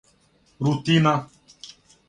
рутина